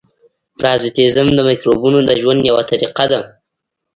پرازیتېزم د مکروبونو د ژوند یوه طریقه ده.